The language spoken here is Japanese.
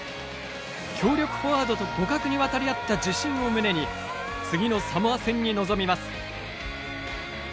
強力フォワードと互角に渡り合った自信を胸に次のサモア戦に臨みます。